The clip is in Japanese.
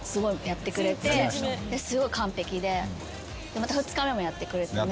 また２日目もやってくれたね。